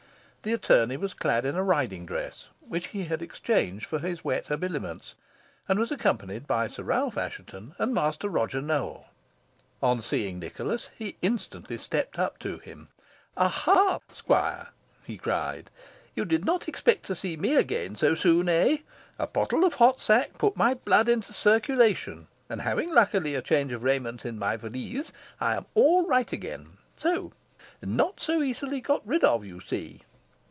The attorney was clad in a riding dress, which he had exchanged for his wet habiliments, and was accompanied by Sir Ralph Assheton and Master Roger Nowell. On seeing Nicholas, he instantly stepped up to him. "Aha! squire," he cried, "you did not expect to see me again so soon, eh! A pottle of hot sack put my blood into circulation, and having, luckily, a change of raiment in my valise, I am all right again. Not so easily got rid of, you see!"